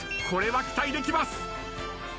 これは期待できます。